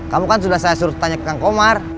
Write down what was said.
kamu kan sudah saya suruh tanya ke kang komar